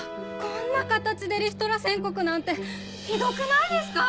こんな形でリストラ宣告なんてひどくないですか？